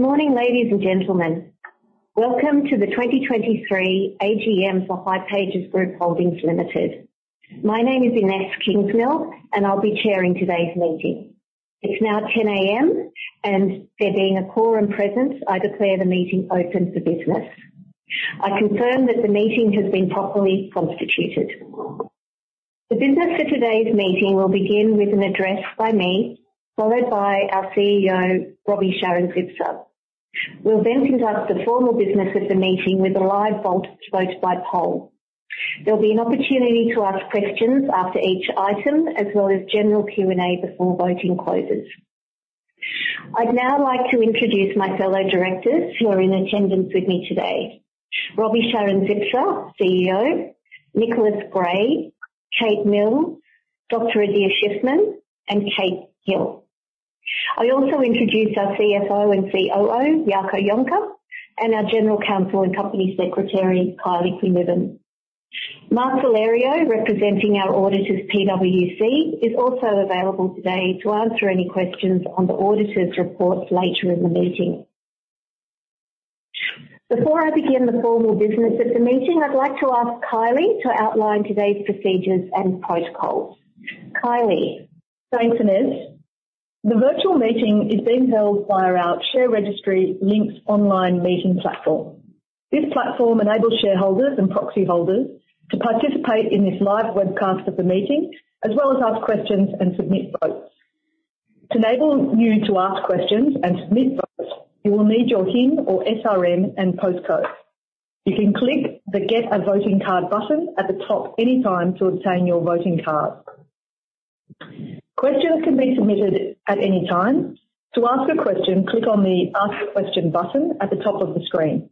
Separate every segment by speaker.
Speaker 1: Good morning, ladies and gentlemen. Welcome to the 2023 AGM for hipages Group Holdings Limited. My name is Inese Kingsmill, and I'll be chairing today's meeting. It's now 10:00 A.M., and there being a quorum presence, I declare the meeting open for business. I confirm that the meeting has been properly constituted. The business for today's meeting will begin with an address by me, followed by our CEO, Roby Sharon-Zipser. We'll then conduct the formal business of the meeting with a live vote, vote by poll. There'll be an opportunity to ask questions after each item, as well as general Q&A before voting closes. I'd now like to introduce my fellow directors who are in attendance with me today. Roby Sharon-Zipser, CEO, Nicholas Gray, Kate Mills, Dr. Adir Shiffman, and Kate Hill. I also introduce our CFO and COO, Jaco Jonker, and our General Counsel and Company Secretary, Kylie Quinlivan. Mark Valerio, representing our auditors, PwC, is also available today to answer any questions on the auditors' reports later in the meeting. Before I begin the formal business of the meeting, I'd like to ask Kylie to outline today's procedures and protocols. Kylie?
Speaker 2: Thanks, Inese. The virtual meeting is being held via our share registry Link's Online Meeting platform. This platform enables shareholders and proxy holders to participate in this live webcast of the meeting, as well as ask questions and submit votes. To enable you to ask questions and submit votes, you will need your HIN or SRN and postcode. You can click the Get a Voting Card button at the top anytime to obtain your voting card. Questions can be submitted at any time. To ask a question, click on the Ask Question button at the top of the screen.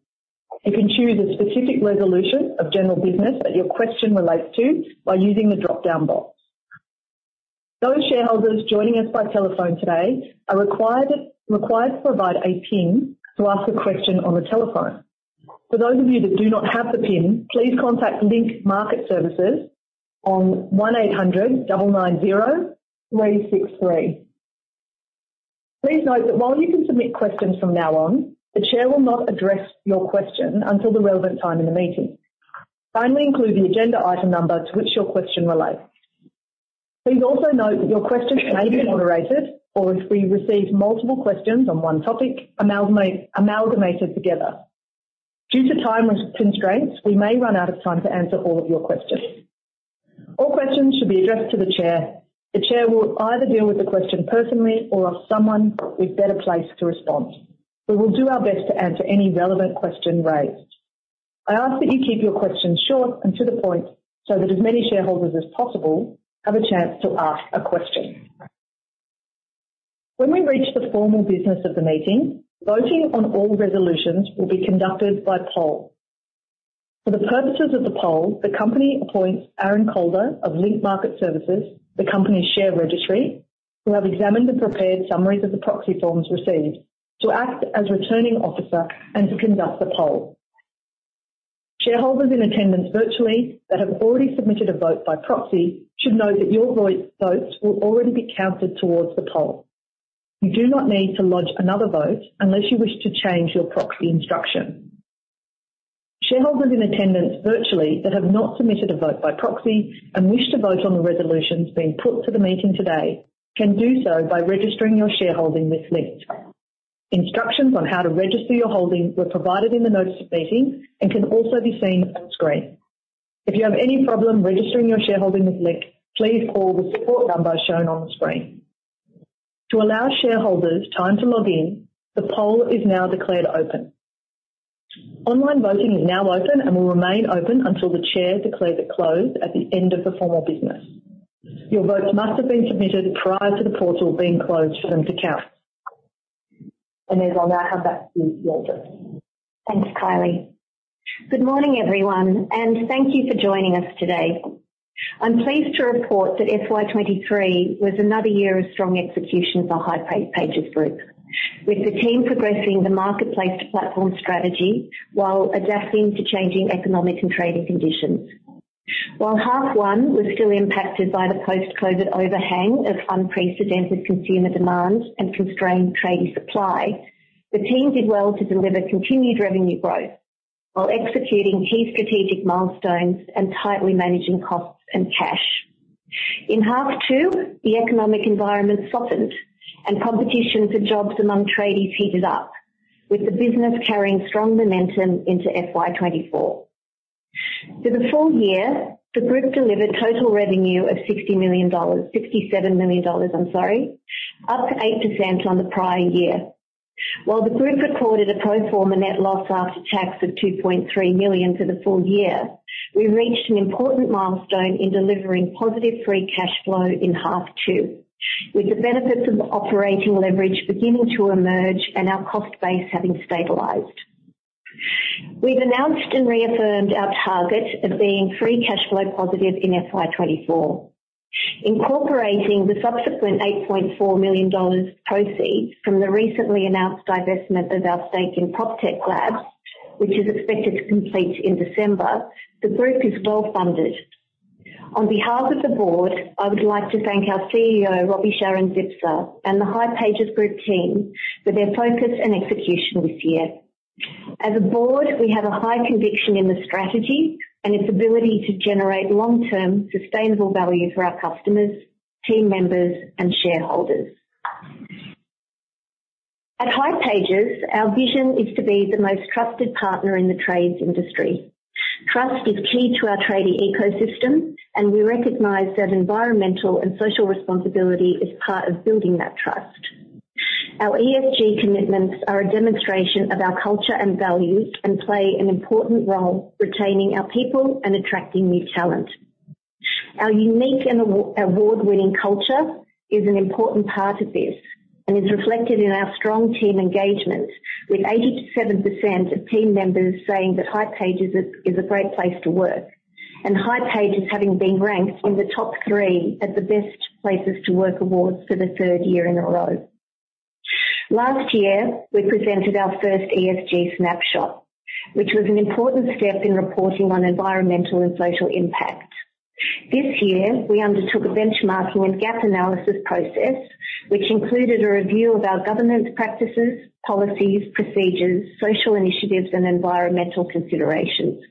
Speaker 2: You can choose a specific resolution of general business that your question relates to by using the dropdown box. Those shareholders joining us by telephone today are required to provide a PIN to ask a question on the telephone. For those of you that do not have the PIN, please contact Link Market Services on 1800 990 363. Please note that while you can submit questions from now on, the Chair will not address your question until the relevant time in the meeting. Kindly include the agenda item number to which your question relates. Please also note that your questions may be moderated or if we receive multiple questions on one topic, amalgamated together. Due to time constraints, we may run out of time to answer all of your questions. All questions should be addressed to the Chair. The Chair will either deal with the question personally or ask someone who's better placed to respond. We will do our best to answer any relevant question raised. I ask that you keep your questions short and to the point so that as many shareholders as possible have a chance to ask a question. When we reach the formal business of the meeting, voting on all resolutions will be conducted by poll. For the purposes of the poll, the company appoints Aaron Calder of Link Market Services, the company's share registry, who have examined the prepared summaries of the proxy forms received to act as Returning Officer and to conduct the poll. Shareholders in attendance virtually, that have already submitted a vote by proxy, should note that your voice votes will already be counted towards the poll. You do not need to lodge another vote unless you wish to change your proxy instruction. Shareholders in attendance virtually, that have not submitted a vote by proxy and wish to vote on the resolutions being put to the meeting today, can do so by registering your shareholding with Link. Instructions on how to register your holding were provided in the notice of meeting and can also be seen on screen. If you have any problem registering your shareholding with Link, please call the support number shown on the screen. To allow shareholders time to log in, the poll is now declared open. Online voting is now open and will remain open until the Chair declares it closed at the end of the formal business. Your votes must have been submitted prior to the portal being closed for them to count. Inese, I'll now hand back to you.
Speaker 1: Thanks, Kylie. Good morning, everyone, and thank you for joining us today. I'm pleased to report that FY23 was another year of strong execution for hipages Group, with the team progressing the marketplace platform strategy while adapting to changing economic and trading conditions. While half one was still impacted by the post-COVID overhang of unprecedented consumer demand and constrained trading supply, the team did well to deliver continued revenue growth while executing key strategic milestones and tightly managing costs and cash. In half two, the economic environment softened and competition for jobs among tradies heated up, with the business carrying strong momentum into FY24. For the full year, the group delivered total revenue of 60 million dollars-- 67 million dollars, I'm sorry, up 8% on the prior year. While the group recorded a pro forma net loss after tax of 2.3 million for the full year, we reached an important milestone in delivering positive free cash flow in half two, with the benefits of operating leverage beginning to emerge and our cost base having stabilized. We've announced and reaffirmed our target of being free cash flow positive in FY 2024, incorporating the subsequent 8.4 million dollars proceeds from the recently announced divestment of our stake in PropTech Labs, which is expected to complete in December. The group is well-funded. On behalf of the board, I would like to thank our CEO, Roby Sharon-Zipser, and the hipages Group team for their focus and execution this year. As a board, we have a high conviction in the strategy and its ability to generate long-term sustainable value for our customers, team members, and shareholders. At hipages, our vision is to be the most trusted partner in the trades industry. Trust is key to our tradie ecosystem, and we recognize that environmental and social responsibility is part of building that trust. Our ESG commitments are a demonstration of our culture and values and play an important role retaining our people and attracting new talent. Our unique and award, award-winning culture is an important part of this and is reflected in our strong team engagement, with 87% of team members saying that hipages is a great place to work, and hipages having been ranked in the top three at the Best Places to Work awards for the third year in a row. Last year, we presented our first ESG snapshot, which was an important step in reporting on environmental and social impact. This year, we undertook a benchmarking and gap analysis process, which included a review of our governance practices, policies, procedures, social initiatives, and environmental considerations.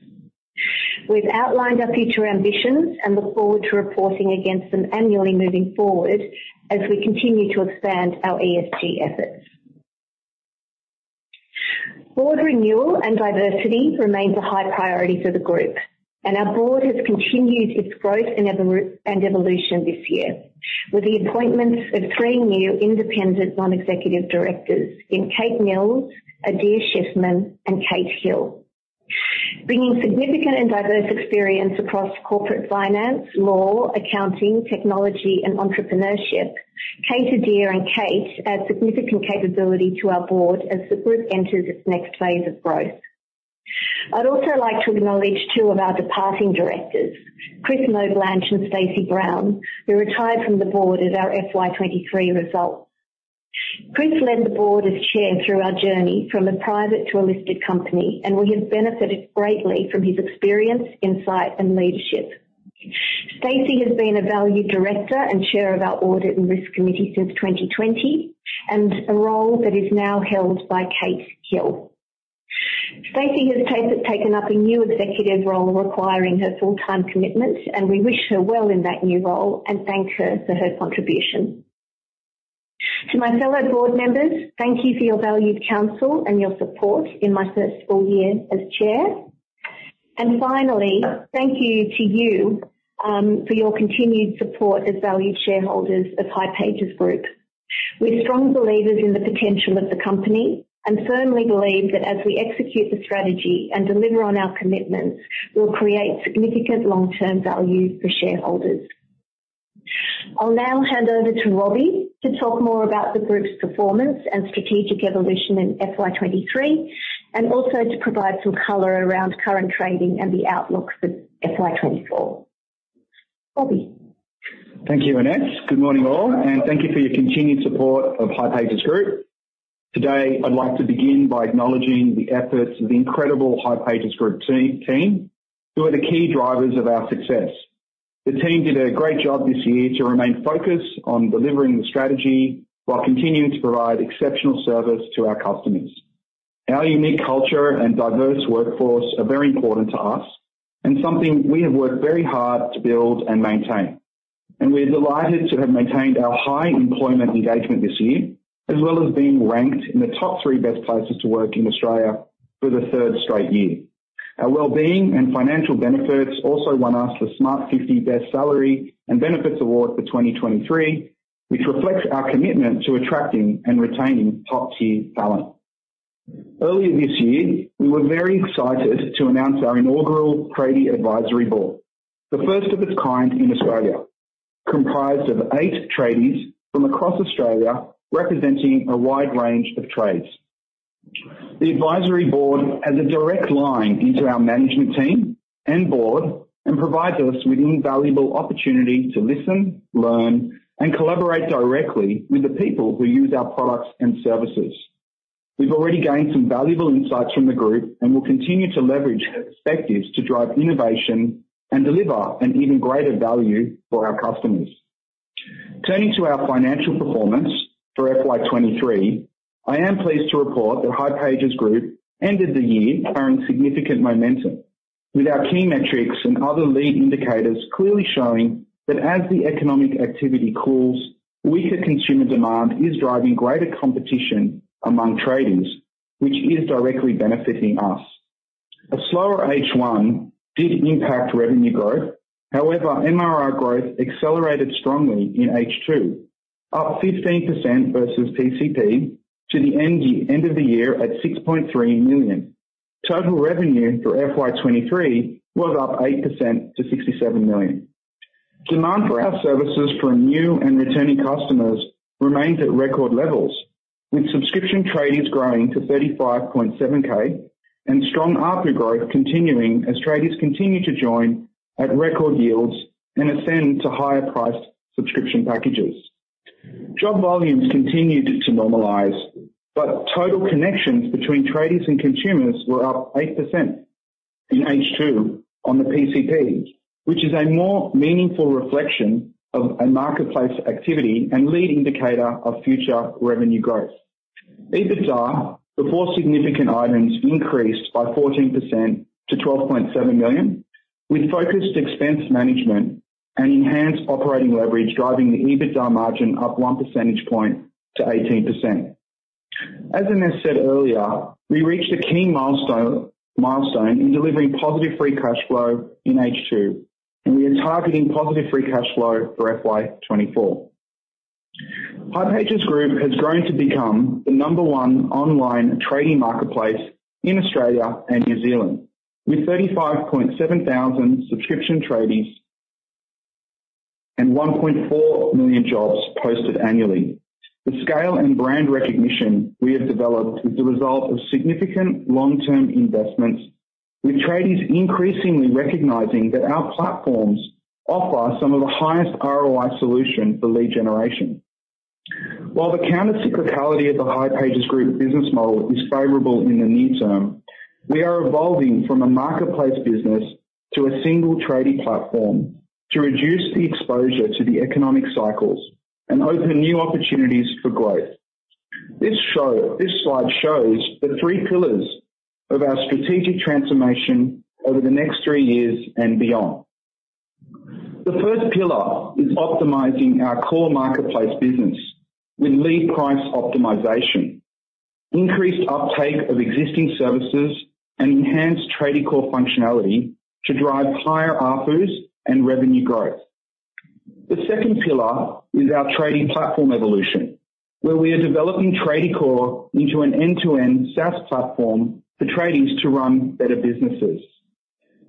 Speaker 1: We've outlined our future ambitions and look forward to reporting against them annually moving forward as we continue to expand our ESG efforts. Board renewal and diversity remains a high priority for the group, and our board has continued its growth and evolution this year, with the appointments of three new independent non-executive directors in Kate Mills, Adir Shiffman, and Kate Hill. Bringing significant and diverse experience across corporate finance, law, accounting, technology, and entrepreneurship, Kate, Adir, and Kate add significant capability to our board as the group enters its next phase of growth. I'd also like to acknowledge two of our departing directors, Chris Knoblanche and Stacey Brown, who retired from the board at our FY23 results. Chris led the board as chair through our journey from a private to a listed company, and we have benefited greatly from his experience, insight, and leadership. Stacey has been a valued director and chair of our audit and risk committee since 2020, and a role that is now held by Kate Hill. Stacey has taken up a new executive role requiring her full-time commitment, and we wish her well in that new role and thank her for her contribution. To my fellow board members, thank you for your valued counsel and your support in my first full year as chair. And finally, thank you to you, for your continued support as valued shareholders of hipages Group. We're strong believers in the potential of the company and firmly believe that as we execute the strategy and deliver on our commitments, we'll create significant long-term value for shareholders. I'll now hand over to Roby to talk more about the group's performance and strategic evolution in FY 2023, and also to provide some color around current trading and the outlook for FY 2024. Roby?
Speaker 3: Thank you, Inese. Good morning, all, and thank you for your continued support of hipages Group. Today, I'd like to begin by acknowledging the efforts of the incredible hipages Group team who are the key drivers of our success. The team did a great job this year to remain focused on delivering the strategy while continuing to provide exceptional service to our customers. Our unique culture and diverse workforce are very important to us and something we have worked very hard to build and maintain. We're delighted to have maintained our high employment engagement this year, as well as being ranked in the top three best places to work in Australia for the third straight year. Our wellbeing and financial benefits also won us the Smart50 Best Salary and Benefits Award for 2023, which reflects our commitment to attracting and retaining top-tier talent. Earlier this year, we were very excited to announce our inaugural Tradie Advisory Board, the first of its kind in Australia, comprised of eight tradies from across Australia, representing a wide range of trades. The advisory board has a direct line into our management team and board, and provides us with invaluable opportunity to listen, learn, and collaborate directly with the people who use our products and services. We've already gained some valuable insights from the group and will continue to leverage perspectives to drive innovation and deliver an even greater value for our customers. Turning to our financial performance for FY 2023, I am pleased to report that hipages Group ended the year carrying significant momentum, with our key metrics and other lead indicators clearly showing that as the economic activity cools, weaker consumer demand is driving greater competition among tradies, which is directly benefiting us. A slower H1 did impact revenue growth. However, MRR growth accelerated strongly in H2, up 15% versus PCP to the end of the year at 6.3 million. Total revenue for FY 2023 was up 8% to 67 million. Demand for our services from new and returning customers remains at record levels, with subscription tradies growing to 35.7K and strong ARPU growth continuing as tradies continue to join at record yields and ascend to higher priced subscription packages. Job volumes continued to normalize, but total connections between tradies and consumers were up 8% in H2 on the PCP, which is a more meaningful reflection of a marketplace activity and lead indicator of future revenue growth. EBITDA, before significant items, increased by 14% to 12.7 million, with focused expense management and enhanced operating leverage, driving the EBITDA margin up one percentage point to 18%. As Inese said earlier, we reached a key milestone in delivering positive free cash flow in H2, and we are targeting positive free cash flow for FY 2024. Hipages Group has grown to become the number one online tradie marketplace in Australia and New Zealand, with 35.7 thousand subscription tradies and 1.4 million jobs posted annually. The scale and brand recognition we have developed is the result of significant long-term investments, with tradies increasingly recognizing that our platforms offer some of the highest ROI solution for lead generation. While the counter cyclicality of the hipages Group business model is favorable in the near term, we are evolving from a marketplace business to a single tradie platform to reduce the exposure to the economic cycles and open new opportunities for growth. This slide shows the three pillars of our strategic transformation over the next three years and beyond. The first pillar is optimizing our core marketplace business with lead price optimization, increased uptake of existing services, and enhanced Tradiecore functionality to drive higher ARPUs and revenue growth. The second pillar is our tradie platform evolution, where we are developing Tradiecore into an end-to-end SaaS platform for tradies to run better businesses.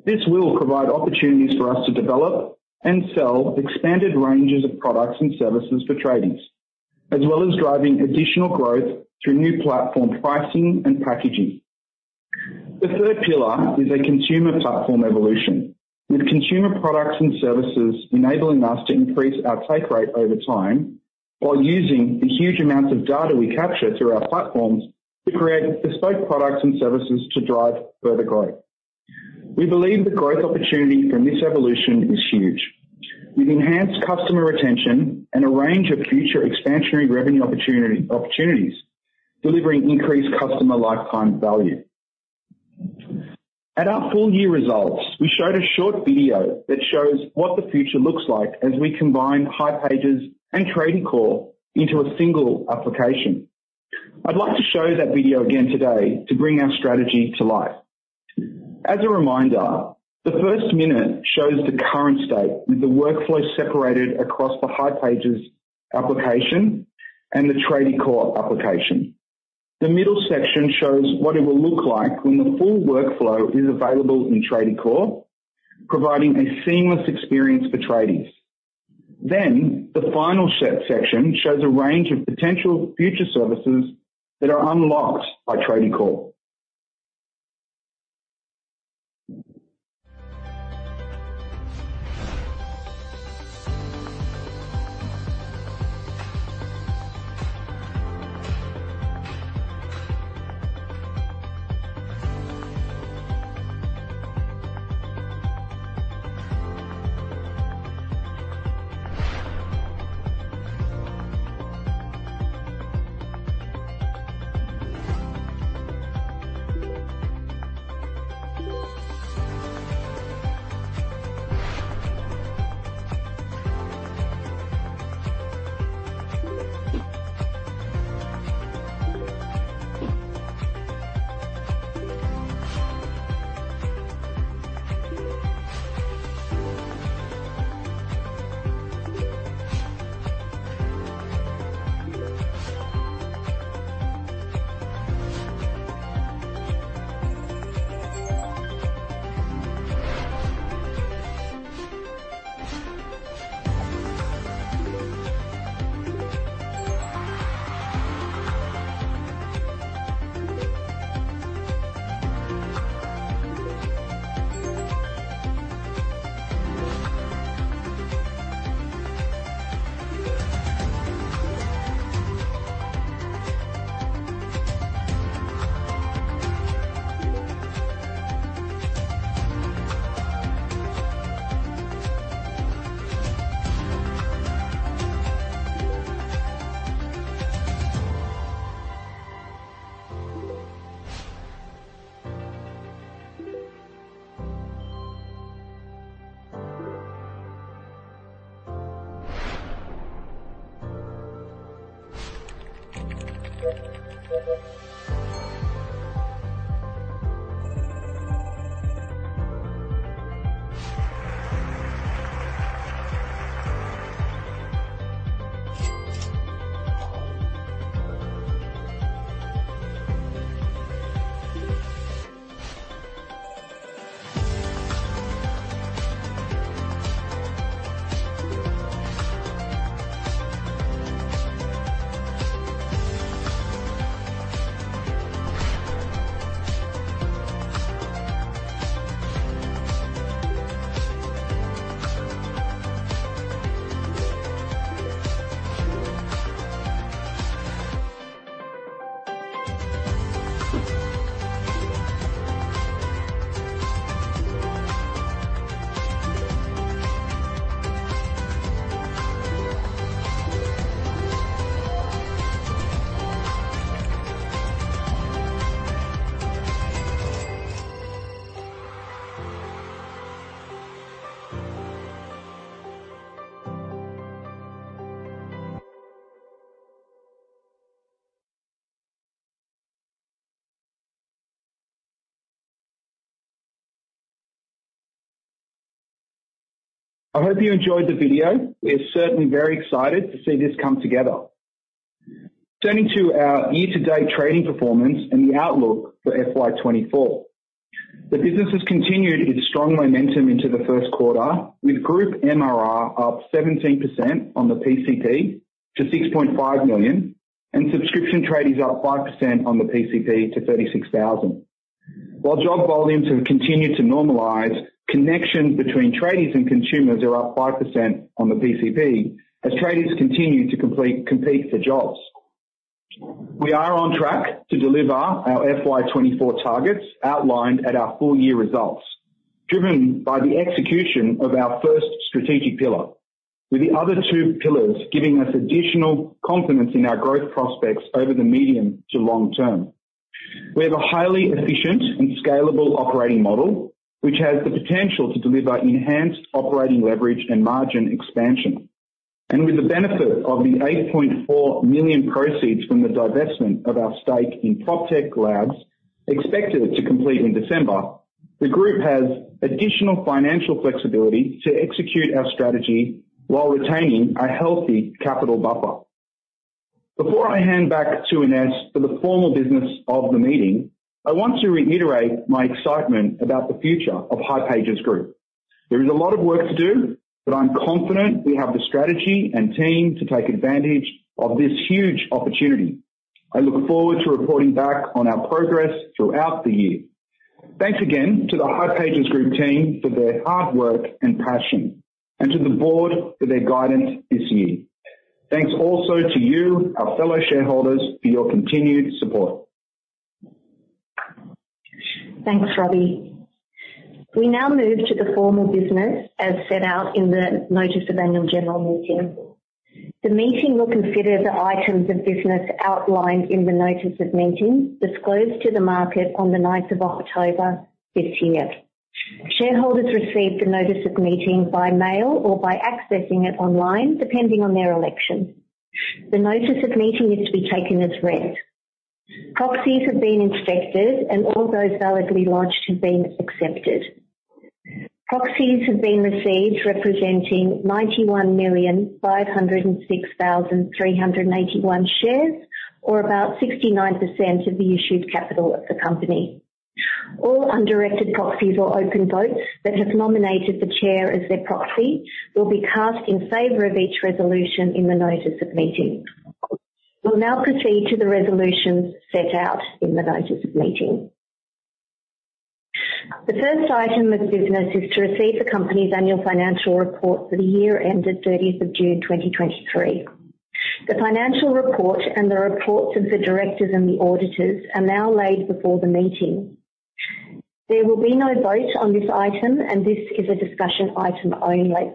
Speaker 3: This will provide opportunities for us to develop and sell expanded ranges of products and services for tradies, as well as driving additional growth through new platform pricing and packaging. The third pillar is a consumer platform evolution, with consumer products and services enabling us to increase our take rate over time, while using the huge amounts of data we capture through our platforms to create bespoke products and services to drive further growth. We believe the growth opportunity from this evolution is huge, with enhanced customer retention and a range of future expansionary revenue opportunity, opportunities, delivering increased customer lifetime value. At our full year results, we showed a short video that shows what the future looks like as we combine hipages and Tradiecore into a single application. I'd like to show that video again today to bring our strategy to life. As a reminder, the first minute shows the current state, with the workflow separated across the hipages application and the Tradiecore application. The middle section shows what it will look like when the full workflow is available in Tradiecore, providing a seamless experience for tradies. Then, the final set section shows a range of potential future services that are unlocked by Tradiecore. I hope you enjoyed the video. We're certainly very excited to see this come together. Turning to our year-to-date trading performance and the outlook for FY 2024. The business has continued its strong momentum into the first quarter, with group MRR up 17% on the PCP to 6.5 million, and subscription tradies up 5% on the PCP to 36,000. While job volumes have continued to normalize, connection between tradies and consumers are up 5% on the PCP as tradies continue to compete for jobs. We are on track to deliver our FY 2024 targets outlined at our full year results, driven by the execution of our first strategic pillar, with the other two pillars giving us additional confidence in our growth prospects over the medium to long term. We have a highly efficient and scalable operating model, which has the potential to deliver enhanced operating leverage and margin expansion. With the benefit of the 8.4 million proceeds from the divestment of our stake in PropTech Labs, expected to complete in December, the group has additional financial flexibility to execute our strategy while retaining a healthy capital buffer. Before I hand back to Inese for the formal business of the meeting, I want to reiterate my excitement about the future of hipages Group. There is a lot of work to do, but I'm confident we have the strategy and team to take advantage of this huge opportunity. I look forward to reporting back on our progress throughout the year. Thanks again to the hipages Group team for their hard work and passion, and to the board for their guidance this year. Thanks also to you, our fellow shareholders, for your continued support.
Speaker 1: Thanks, Roby. We now move to the formal business as set out in the Notice of Annual General Meeting. The meeting will consider the items of business outlined in the notice of meeting, disclosed to the market on the ninth of October this year. Shareholders received the notice of meeting by mail or by accessing it online, depending on their election. The notice of meeting is to be taken as read. Proxies have been inspected, and all those validly lodged have been accepted. Proxies have been received representing 91,506,381 shares, or about 69% of the issued capital of the company. All undirected proxies or open votes that have nominated the chair as their proxy will be cast in favor of each resolution in the notice of meeting. We'll now proceed to the resolutions set out in the notice of meeting. The first item of business is to receive the company's annual financial report for the year ended 30th of June, 2023. The financial report and the reports of the directors and the auditors are now laid before the meeting. There will be no vote on this item, and this is a discussion item only.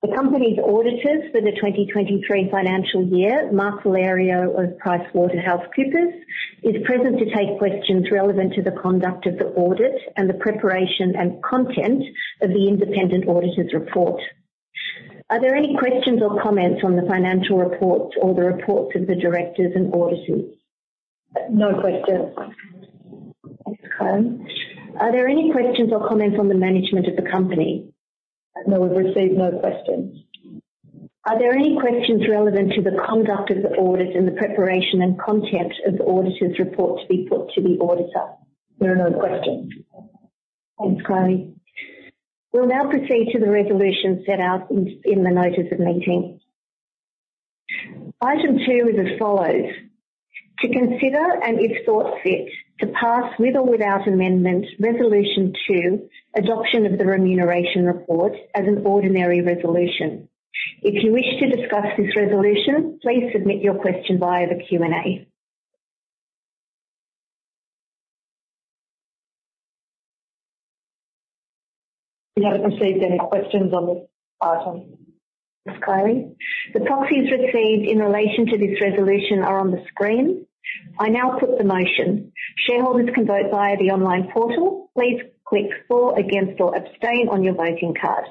Speaker 1: The company's auditors for the 2023 financial year, Mark Valerio of PricewaterhouseCoopers, is present to take questions relevant to the conduct of the audit and the preparation and content of the independent auditor's report. Are there any questions or comments on the financial reports or the reports of the directors and auditors?
Speaker 2: No questions.
Speaker 1: Thanks, Kylie. Are there any questions or comments on the management of the company?
Speaker 2: No, we've received no questions.
Speaker 1: Are there any questions relevant to the conduct of the audit and the preparation and content of the auditor's report to be put to the auditor?
Speaker 2: There are no questions.
Speaker 1: Thanks, Kylie. We'll now proceed to the resolution set out in the notice of meeting. Item two is as follows: To consider, and if thought fit, to pass, with or without amendment, resolution two, adoption of the remuneration report as an ordinary resolution. If you wish to discuss this resolution, please submit your question via the Q&A.
Speaker 2: We haven't received any questions on this item.
Speaker 1: Thanks, Kylie. The proxies received in relation to this resolution are on the screen. I now put the motion. Shareholders can vote via the online portal. Please click for, against, or abstain on your voting card.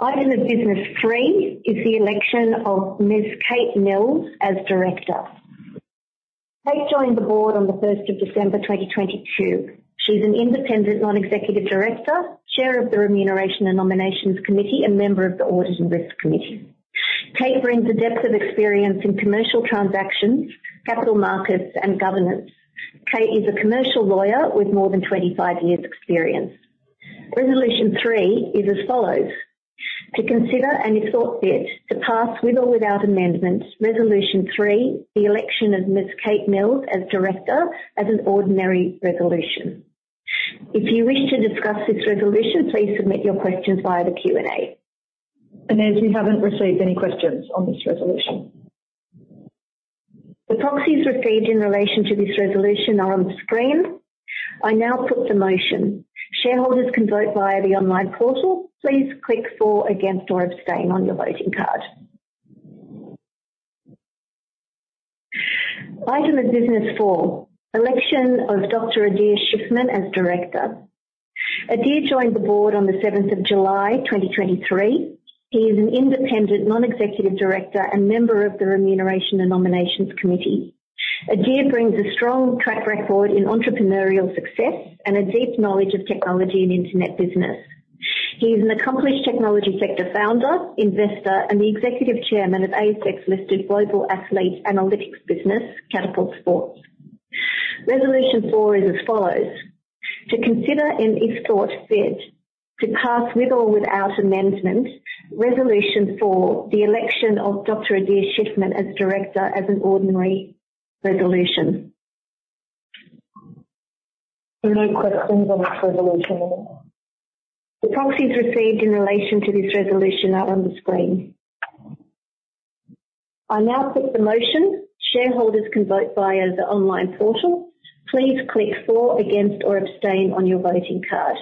Speaker 1: Item 3 of business is the election of Ms. Kate Mills as director. Kate joined the board on the first of December, 2022. She's an independent non-executive director, chair of the Remuneration and Nominations Committee, and member of the Audit and Risk Committee. Kate brings a depth of experience in commercial transactions, capital markets, and governance. Kate is a commercial lawyer with more than 25 years experience. Resolution 3 is as follows: To consider and, if thought fit, to pass, with or without amendments, Resolution 3, the election of Ms. Kate Mills as director as an ordinary resolution. If you wish to discuss this resolution, please submit your questions via the Q&A.
Speaker 2: Inese, we haven't received any questions on this resolution.
Speaker 1: The proxies received in relation to this resolution are on the screen. I now put the motion. Shareholders can vote via the online portal. Please click for, against, or abstain on your voting card. Item of Business 4, election of Dr. Adir Shiffman as director. Adir joined the board on the seventh of July 2023. He is an independent, non-executive director and member of the Remuneration and Nominations Committee. Adir brings a strong track record in entrepreneurial success and a deep knowledge of technology and internet business. He is an accomplished technology sector founder, investor, and the executive chairman of ASX-listed global athlete analytics business, Catapult Sports. Resolution 4 is as follows: To consider, and if thought fit, to pass, with or without amendment, Resolution 4, the election of Dr. Adir Shiffman as director as an ordinary resolution.
Speaker 2: No questions on this resolution.
Speaker 1: The proxies received in relation to this resolution are on the screen. I now put the motion. Shareholders can vote via the online portal. Please click for, against, or abstain on your voting card.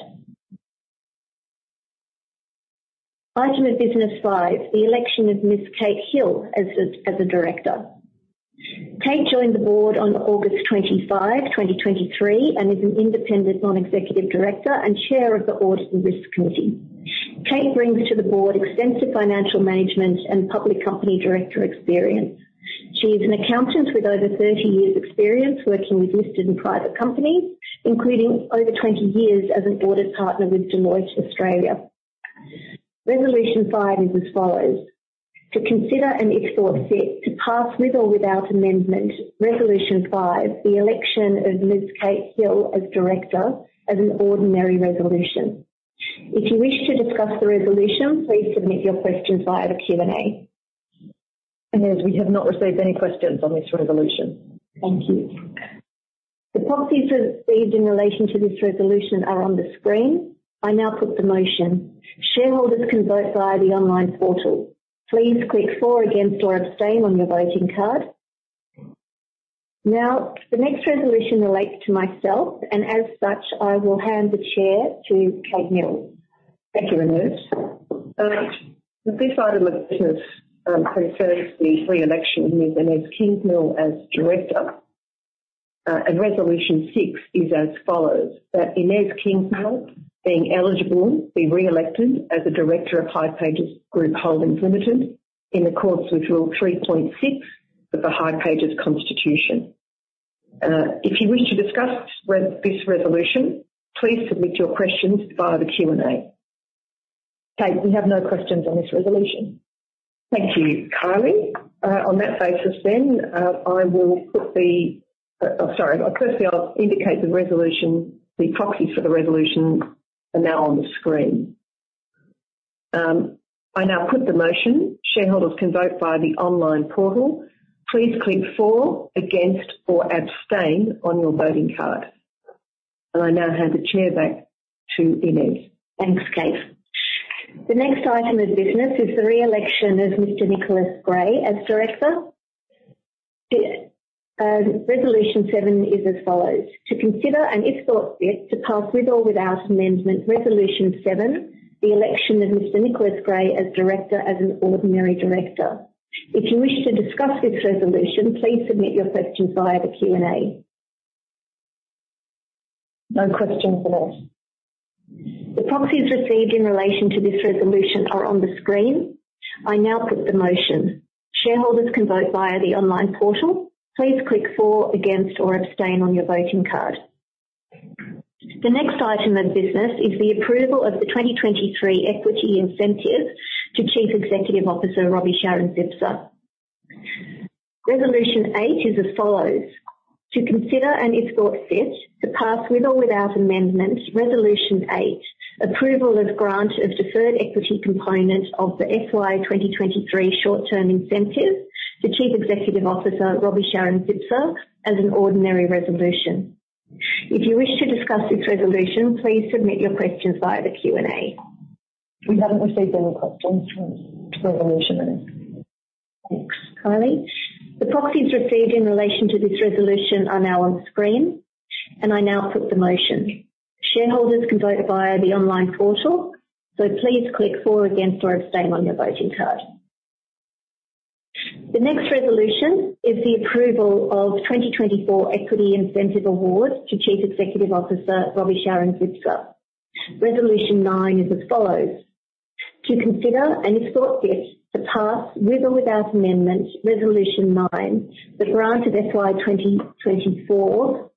Speaker 1: Item of Business 5, the election of Ms. Kate Hill as a director. Kate joined the board on August 25, 2023, and is an independent non-executive director and chair of the Audit and Risk Committee. Kate brings to the board extensive financial management and public company director experience. She is an accountant with over 30 years experience working with listed and private companies, including over 20 years as an audit partner with Deloitte Australia. Resolution 5 is as follows: To consider, and if thought fit, to pass, with or without amendment, Resolution 5, the election of Ms. Kate Hill as director as an ordinary resolution. If you wish to discuss the resolution, please submit your questions via the Q&A.
Speaker 2: Inese, we have not received any questions on this resolution.
Speaker 1: Thank you. The proxies received in relation to this resolution are on the screen. I now put the motion. Shareholders can vote via the online portal. Please click for, against, or abstain on your voting card. Now, the next resolution relates to myself, and as such, I will hand the chair to Kate Mills.
Speaker 2: Thank you, Inese. This item of business concerns the re-election of Ms. Inese Kingsmill as director. Resolution Six is as follows, that Inese Kingsmill, being eligible, be re-elected as a director of hipages Group Holdings Limited in accordance with Rule 3.6 of the hipages Constitution. If you wish to discuss this resolution, please submit your questions via the Q&A.
Speaker 1: Kate, we have no questions on this resolution.
Speaker 2: Thank you, Kylie. On that basis then, I will put the. Sorry, firstly, I'll indicate the resolution. The proxies for the resolution are now on the screen. I now put the motion. Shareholders can vote via the online portal. Please click for, against, or abstain on your voting card. I now hand the chair back to Inese.
Speaker 1: Thanks, Kate. The next item of business is the re-election of Mr Nicholas Gray as director. The Resolution Seven is as follows: To consider, and if thought fit, to pass, with or without amendment, Resolution Seven, the election of Mr Nicholas Gray as director as an ordinary director. If you wish to discuss this resolution, please submit your questions via the Q&A.
Speaker 2: No questions, Inese.
Speaker 1: The proxies received in relation to this resolution are on the screen. I now put the motion. Shareholders can vote via the online portal. Please click for, against, or abstain on your voting card. The next item of business is the approval of the 2023 equity incentive to Chief Executive Officer, Roby Sharon-Zipser. Resolution 8 is as follows: To consider, and if thought fit, to pass, with or without amendment, Resolution 8, approval of grant of deferred equity component of the FY 2023 short-term incentive to Chief Executive Officer, Roby Sharon-Zipser, as an ordinary resolution. If you wish to discuss this resolution, please submit your questions via the Q&A.
Speaker 2: We haven't received any questions from resolution, Inese.
Speaker 1: Thanks, Kylie. The proxies received in relation to this resolution are now on screen, and I now put the motion. Shareholders can vote via the online portal, so please click for, against, or abstain on your voting card. The next resolution is the approval of 2024 equity incentive award to Chief Executive Officer, Roby Sharon-Zipser. Resolution Nine is as follows: To consider, and if thought fit, to pass, with or without amendment, Resolution Nine, the grant of FY 2024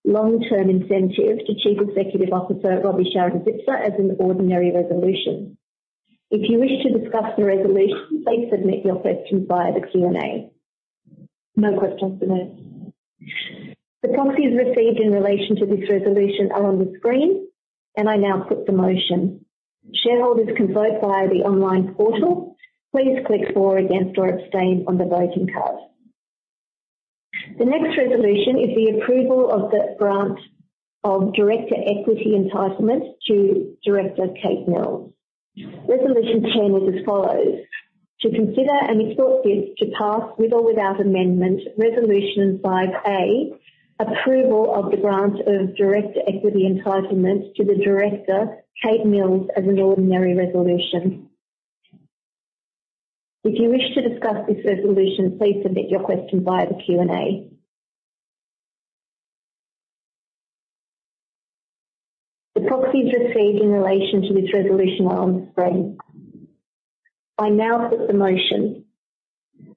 Speaker 1: long-term incentive to Chief Executive Officer, Roby Sharon-Zipser, as an ordinary resolution. If you wish to discuss the resolution, please submit your questions via the Q&A.
Speaker 2: No questions, Inese.
Speaker 1: The proxies received in relation to this resolution are on the screen, and I now put the motion. Shareholders can vote via the online portal. Please click for, against, or abstain on the voting card. The next resolution is the approval of the grant of director equity entitlement to Director Kate Mills. Resolution 10 is as follows: To consider and, if thought fit, to pass with or without amendment. Resolution 5A, approval of the grant of director equity entitlement to the director, Kate Mills, as an ordinary resolution. If you wish to discuss this resolution, please submit your question via the Q&A. The proxies received in relation to this resolution are on the screen. I now put the motion.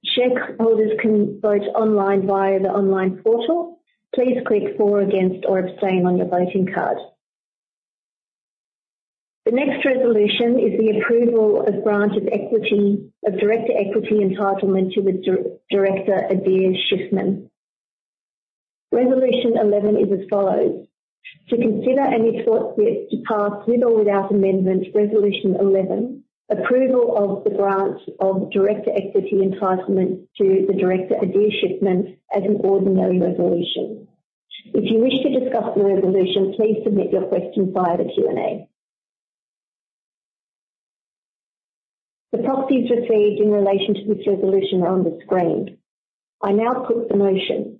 Speaker 1: Shareholders can vote online via the online portal. Please click for, against, or abstain on your voting card. The next resolution is the approval of grant of equity, of director equity entitlement to the Director Adir Shiffman. Resolution 11 is as follows: To consider and exhort this to pass, with or without amendment, Resolution 11, approval of the grant of director equity entitlement to the director, Adir Shiffman, as an ordinary resolution. If you wish to discuss the resolution, please submit your question via the Q&A. The proxies received in relation to this resolution are on the screen. I now put the motion.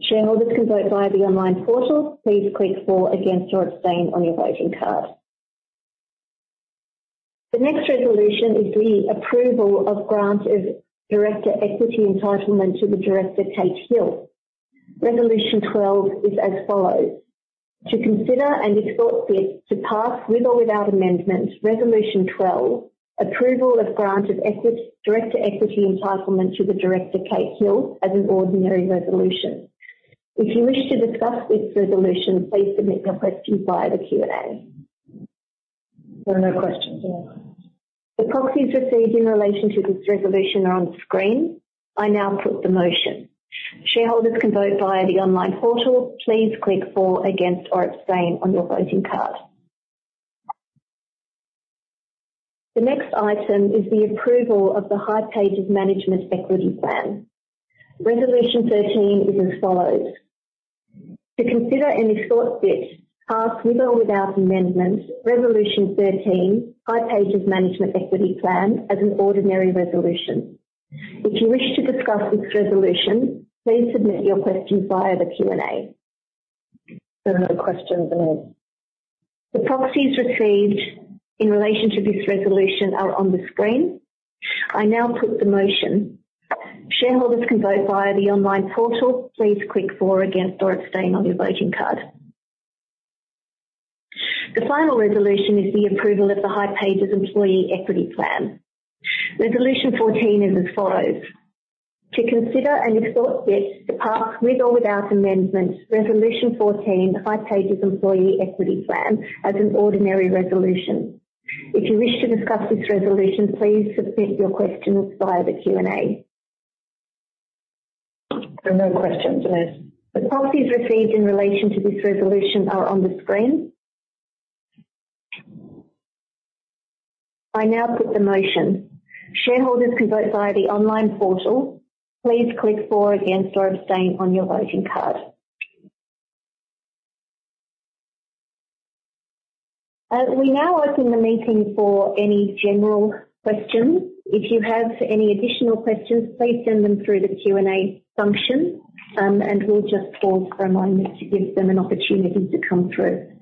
Speaker 1: Shareholders can vote via the online portal. Please click for, against, or abstain on your voting card. The next resolution is the approval of grant of director equity entitlement to the director, Kate Hill. Resolution 12 is as follows: To consider and exhort this to pass, with or without amendment. Resolution 12, approval of grant of equity. Director equity entitlement to the Director, Kate Hill, as an ordinary resolution. If you wish to discuss this resolution, please submit your question via the Q&A.
Speaker 2: There are no questions again.
Speaker 1: The proxies received in relation to this resolution are on screen. I now put the motion. Shareholders can vote via the online portal. Please click for, against, or abstain on your voting card. The next item is the approval of the hipages Management Equity Plan. Resolution 13 is as follows: To consider and, if thought fit, pass, with or without amendment. Resolution 13, hipages Management Equity Plan as an ordinary resolution. If you wish to discuss this resolution, please submit your questions via the Q&A.
Speaker 2: There are no questions again.
Speaker 1: The proxies received in relation to this resolution are on the screen. I now put the motion. Shareholders can vote via the online portal. Please click for, against, or abstain on your voting card. The final resolution is the approval of the hipages Employee Equity Plan. Resolution 14 is as follows: To consider and exhort this to pass, with or without amendment. Resolution 14, hipages Employee Equity Plan as an ordinary resolution. If you wish to discuss this resolution, please submit your questions via the Q&A.
Speaker 2: There are no questions again.
Speaker 1: The proxies received in relation to this resolution are on the screen. I now put the motion. Shareholders can vote via the online portal. Please click for, against, or abstain on your voting card. We now open the meeting for any general questions. If you have any additional questions, please send them through the Q&A function, and we'll just pause for a moment to give them an opportunity to come through.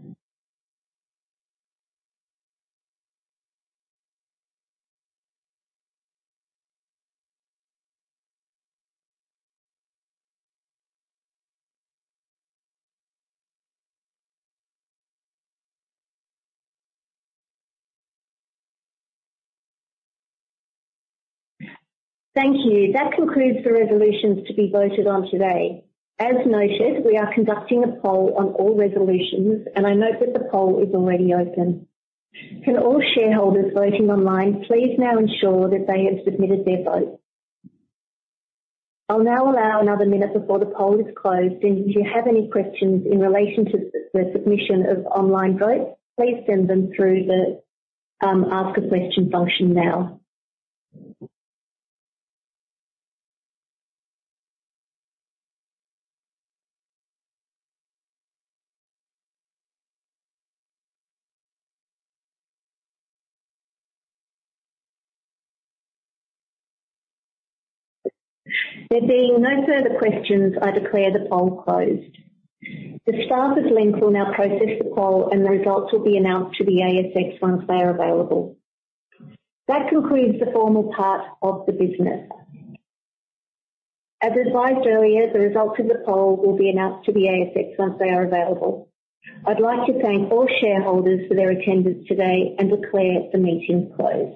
Speaker 1: Thank you. That concludes the resolutions to be voted on today. As noted, we are conducting a poll on all resolutions, and I note that the poll is already open. Can all shareholders voting online please now ensure that they have submitted their vote? I'll now allow another minute before the poll is closed, and if you have any questions in relation to the submission of online votes, please send them through the ask a question function now. There being no further questions, I declare the poll closed. The staffers linked will now process the poll, and the results will be announced to the ASX once they are available. That concludes the formal part of the business. As advised earlier, the results of the poll will be announced to the ASX once they are available. I'd like to thank all shareholders for their attendance today and declare the meeting closed.